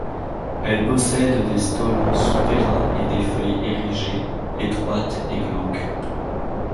Elle possède des stolons souterrains et des feuilles érigées, étroites et glauques.